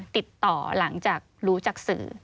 ติดต่อหลังจากรู้จากสื่อ